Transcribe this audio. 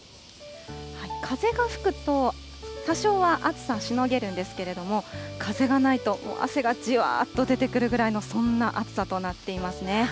風が吹くと、多少は暑さしのげるんですけれども、風がないと、もう汗がじわっと出てくるぐらいの、そんな暑さとなっていますね。